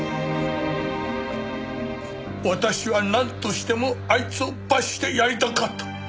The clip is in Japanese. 私はなんとしてもあいつを罰してやりたかった。